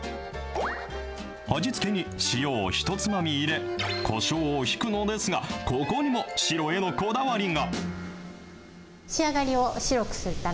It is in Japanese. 味付けに塩を一つまみ入れ、こしょうをひくのですが、ここにも白へのこだわりが。